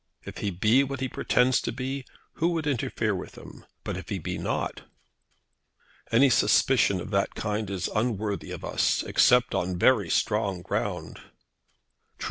If he be what he pretends to be, who would interfere with him? But if he be not?" "Any suspicion of that kind is unworthy of us; except on very strong ground." "True.